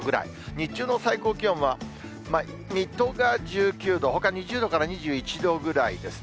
日中の最高気温は、水戸が１９度、ほか２０度から２１度ぐらいですね。